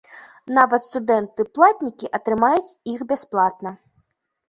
Нават студэнты-платнікі атрымаюць іх бясплатна.